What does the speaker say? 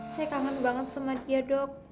saya kangen banget sama dia dok